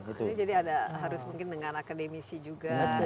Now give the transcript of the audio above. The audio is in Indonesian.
jadi ada harus mungkin dengan akademisi juga